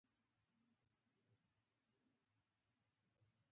د چاه اب د سرو زرو کان په تخار کې دی.